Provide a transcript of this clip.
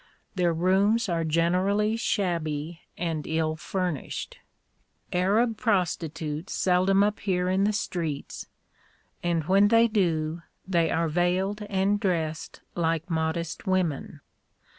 Their rooms are generally shabby and ill furnished. Arab prostitutes seldom appear in the streets, and when they do, they are veiled and dressed like modest women.